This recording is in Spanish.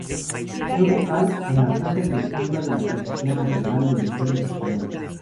Fue vocal en la junta directiva de la Asociación Nacional de Mujeres Españolas.